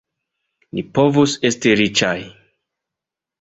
Ni povus esti riĉaj!